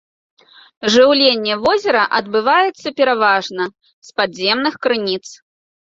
Жыўленне возера адбываецца пераважна з падземных крыніц.